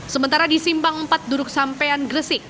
sementara di simpang empat duduk sampean gresik